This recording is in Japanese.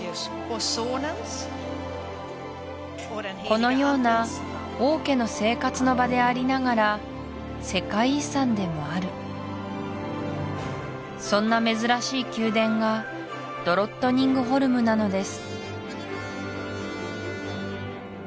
このような王家の生活の場でありながら世界遺産でもあるそんな珍しい宮殿がドロットニングホルムなのです